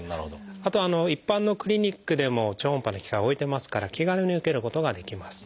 あと一般のクリニックでも超音波の機械置いてますから気軽に受けることができます。